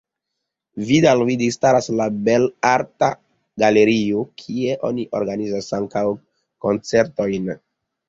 Vidalvide staras la Belarta Galerio, kie oni organizas ankaŭ koncertojn.